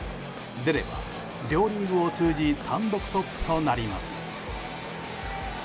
出れば両リーグを通じ単独トップとなります。